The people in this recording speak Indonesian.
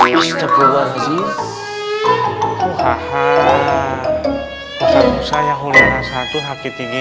ya udah alekco page